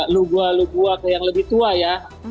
lugua lugua ke yang lebih tua ya